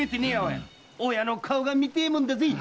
親の顔が見たいもんだぜ！